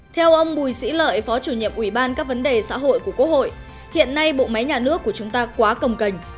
theo ông bùi sĩ lợi phó chủ nhiệm ủy ban các vấn đề xã hội của quốc hội hiện nay bộ máy nhà nước của chúng ta quá cầm cành